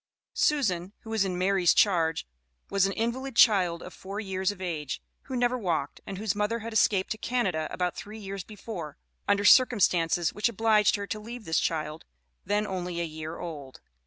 Susan, who was in Mary's charge, was an invalid child of four years of age, who never walked, and whose mother had escaped to Canada about three years before under circumstances which obliged her to leave this child, then only a year old.